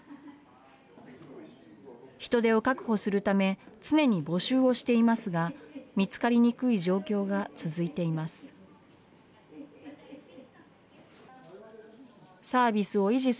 人手を確保するため、常に募集をしていますが、見つかりにくい状況が続いています。